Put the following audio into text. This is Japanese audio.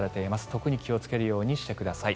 特に気をつけるようにしてください。